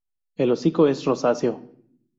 El hocico es rosáceo.